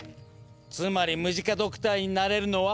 つまりムジカドクターになれるのは。